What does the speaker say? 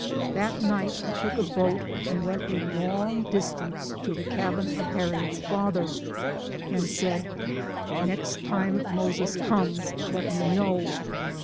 That night he took a boat and went a long dis tance to the cabin of Harriet's father, and said, " Next time Moses comes, let me know."